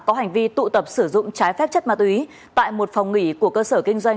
có hành vi tụ tập sử dụng trái phép chất ma túy tại một phòng nghỉ của cơ sở kinh doanh